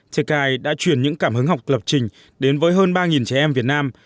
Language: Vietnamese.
teki đã truyền những cảm hứng học lập trình đến với hơn ba trẻ em việt nam